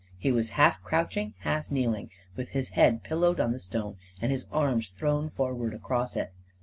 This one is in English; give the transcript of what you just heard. He was half crouching, half kneeling, with his head pillowed on the stone and his arms thrown forward across it.